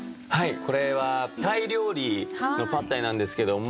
これはタイ料理のパッタイなんですけども。